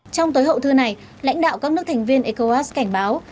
trong tối hậu thư này lãnh đạo các nước thành viên ecowas cảnh báo